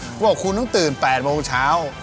เขาบอกคุณต้องตื่น๘โมงเช้า